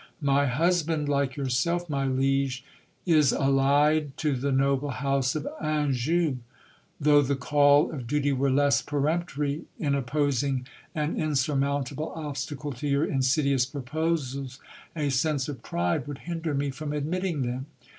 My husband, like yourself, my liege, is allied to the noble house of Anjou. Though the call of duty were less peremptory, in opposing an insurmountable obstacle to your in sidious proposals, a sense of pride would hinder me from admitting them.